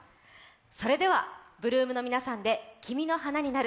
それでは８ＬＯＯＭの皆さんで「君の花になる」。